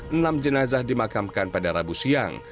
enam jenazah dimakamkan pada rabu siang